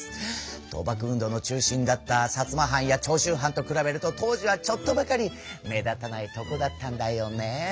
倒幕運動の中心だった薩摩藩や長州藩と比べると当時はちょっとばかり目立たないとこだったんだよね。